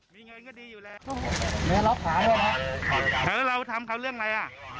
มีเงินก็ดีอยู่แล้วเราทำเขาเรื่องอะไร